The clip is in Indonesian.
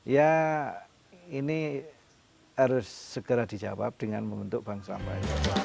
ya ini harus segera dijawab dengan membentuk bank sampah